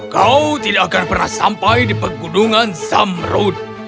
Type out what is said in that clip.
kau tidak akan pernah sampai di pegunungan samrud